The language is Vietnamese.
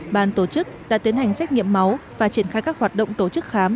ban tổ chức đã tiến hành xét nghiệm máu và triển khai các hoạt động tổ chức khám